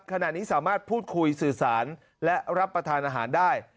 ขณะนี้สามารถพูดคุยสื่อสารและรับประทานอาหารได้